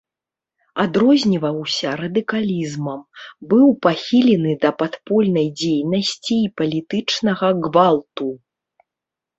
Адрозніваўся радыкалізмам, быў пахілены да падпольнай дзейнасці і палітычнага гвалту.